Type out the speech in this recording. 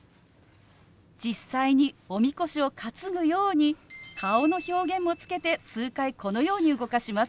実際におみこしを担ぐように顔の表現もつけて数回このように動かします。